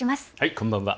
こんばんは。